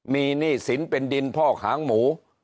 มีหนี้สินเป็นดินพอกหางหมู